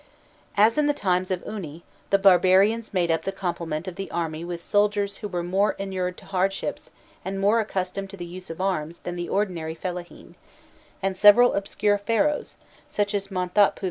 As in the times of Uni, the barbarians made up the complement of the army with soldiers who were more inured to hardships and more accustomed to the use of arms than the ordinary fellahîn; and several obscure Pharaohs such as Monthotpû I.